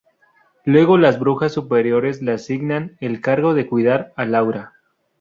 Luego las brujas superiores le asignan el cargo de cuidar a Laura.